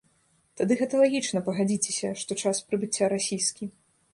Тады гэта лагічна, пагадзіцеся, што час прыбыцця расійскі.